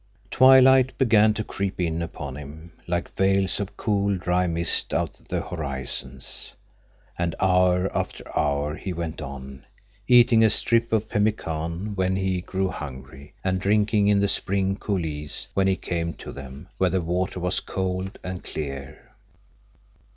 Twilight began to creep in upon him, like veils of cool, dry mist out of the horizons. And hour after hour he went on, eating a strip of pemmican when he grew hungry, and drinking in the spring coulées when he came to them, where the water was cold and clear.